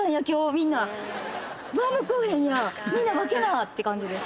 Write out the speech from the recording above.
みんな分けなって感じです。